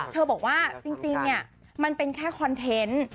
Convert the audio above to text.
เธอบอกว่าจริงเนี่ยมันเป็นแค่คอนเทนต์